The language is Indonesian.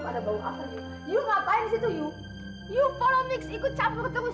kamu ikut mix ikut campur terus